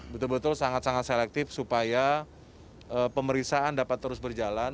betul betul sangat sangat selektif supaya pemeriksaan dapat terus berjalan